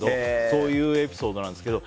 そういうエピソードなんですけど。